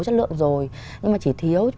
chất lượng rồi nhưng mà chỉ thiếu